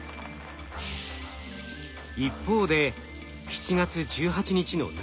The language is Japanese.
一方で７月１８日の長崎県。